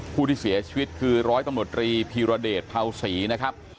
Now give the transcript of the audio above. คู่ที่เสียชวิตคือรตพิรเดชพศนะครับ